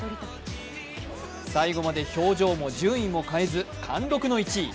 最後まで表情も順位も変えず貫禄の１位。